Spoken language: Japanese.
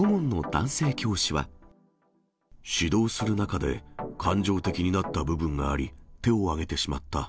指導する中で、感情的になった部分があり、手をあげてしまった。